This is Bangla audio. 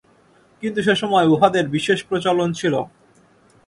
কিন্তু সে সময় উহাদের বিশেষ প্রচলন ছিল।